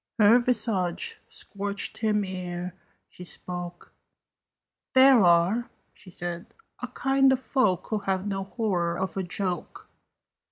Her visage scorched him ere she spoke: "There are," she said, "a kind of folk Who have no horror of a joke.